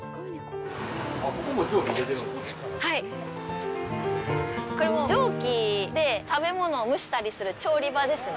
これも蒸気で食べ物を蒸したりする調理場ですね。